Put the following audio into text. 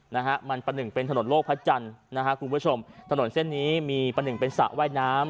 นะฮะมันประหนึ่งเป็นถนนโลกพระจันทร์นะฮะคุณผู้ชมถนนเส้นนี้มีประหนึ่งเป็นสระว่ายน้ำ